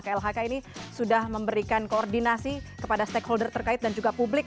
klhk ini sudah memberikan koordinasi kepada stakeholder terkait dan juga publik